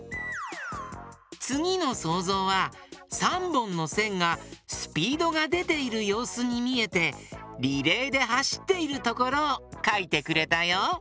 つぎのそうぞうは３ぼんのせんがスピードがでているようすにみえてリレーではしっているところをかいてくれたよ。